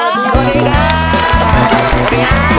สวัสดีครับ